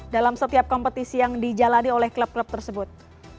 dalam setiap kompetisi yang dijalani oleh klub klub tersebut